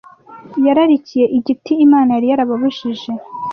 Yararikiye igiti Imana yari yarababujije